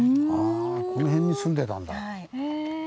あこの辺に住んでたんだ。